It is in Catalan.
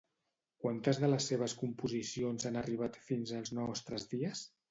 Quantes de les seves composicions han arribat fins als nostres dies?